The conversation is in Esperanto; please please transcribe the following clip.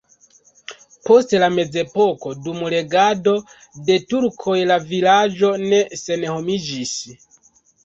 Post la mezepoko dum regado de turkoj la vilaĝo ne senhomiĝis.